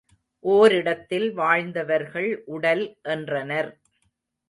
ஓரிடத்தில் வாழ்ந்தவர்கள் உடல் என்றனர்.